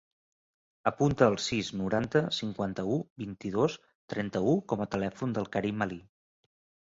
Apunta el sis, noranta, cinquanta-u, vint-i-dos, trenta-u com a telèfon del Karim Ali.